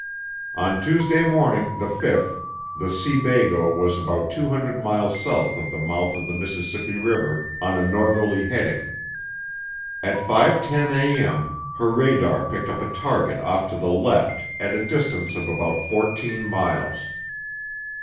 On Tuesday morning, the 5th, the Seabago was about 200 miles south of the mouth of the Mississippi River on a northerly heading. At 5:10A.M. her radar picked up a target off to the left at a distance of about 14 miles.